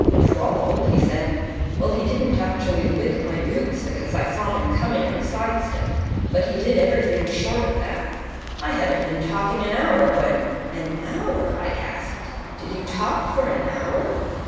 "Crawled?" he said. "Well, he didn't actually lick my boots, because I saw him coming and side stepped; but he did everything short of that. I hadn't been talking an hour when " "An hour!" I gasped. "Did you talk for an hour?"